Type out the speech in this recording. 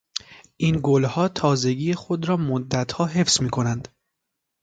این گلها تازگی خود را مدتها حفظ میکنند.